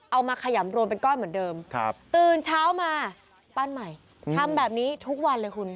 มาขยำรวมเป็นก้อนเหมือนเดิมตื่นเช้ามาปั้นใหม่ทำแบบนี้ทุกวันเลยคุณ